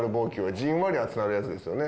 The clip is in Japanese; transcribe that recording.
じんわり熱くなるやつですよね？